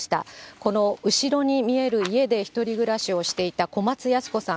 この後ろに見える家で１人暮らしをしていた小松ヤス子さん